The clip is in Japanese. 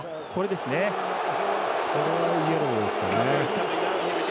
これはイエローですかね。